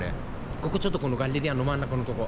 ここちょっとこのガッレリアの真ん中のとこ。